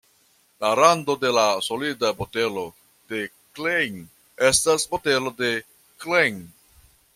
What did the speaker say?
La rando de la solida botelo de Klein estas botelo de Klein.